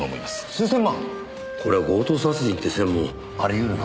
これは強盗殺人って線もあり得るな。